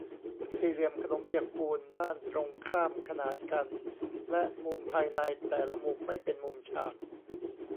สี่เหลี่ยมขนมเปียกปูน ด้านตรงข้ามขนานกัน และมุมภายในแต่ละมุมไม่เป็นมุมฉาก